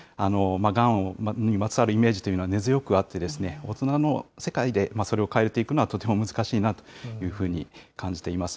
がんにまつわるイメージというのは根強くあって、大人の世界でそれを変えていくのはとても難しいなというふうに感じています。